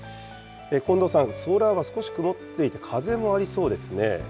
近藤さん、空は少し曇っていて、風もありそうですね。